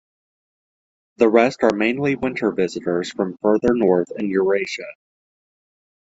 The rest are mainly winter visitors from further north in Eurasia.